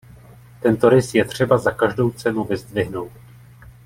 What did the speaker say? Tento rys je třeba za každou cenu vyzdvihnout.